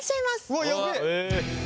うわやべえ！